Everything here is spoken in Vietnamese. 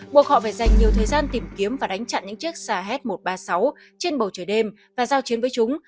buộc họ phải dành nhiều thời gian tìm kiếm và đánh chặn những chiếc sah một trăm ba mươi sáu trên bầu trời đêm và giao chiến với chúng